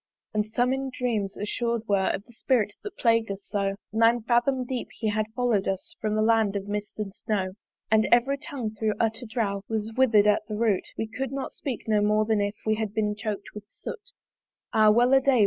And some in dreams assured were Of the Spirit that plagued us so: Nine fathom deep he had follow'd us From the Land of Mist and Snow. And every tongue thro' utter drouth Was wither'd at the root; We could not speak no more than if We had been choked with soot. Ah wel a day!